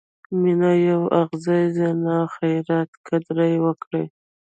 مینه یو اعزاز دی، نه خیرات؛ قدر یې وکړئ!